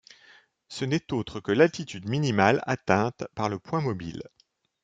Ce n'est autre que l'altitude minimale atteinte par le point mobile.